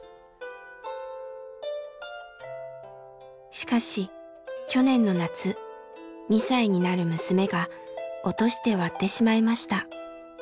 しかし去年の夏２歳になる娘が落として割ってしまいました。